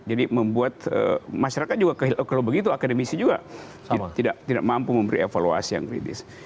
jadi membuat masyarakat juga kalau begitu akademisi juga tidak mampu memberi evaluasi yang kritis